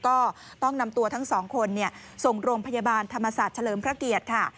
ก็ต้องนำตัวทั้งสองคนส่งโรงพยาบาลธรรมศาสตร์เฉลิมพระเกียรติค่ะ